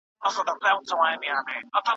وطن د تل لپاره زموږ په زړونو کي دی.